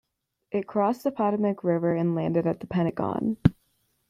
It crossed the Potomac River and landed at the Pentagon.